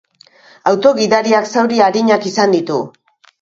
Auto-gidariak zauri arinak izan ditu.